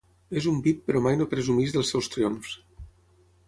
És un vip però mai no presumeix dels seus triomfs.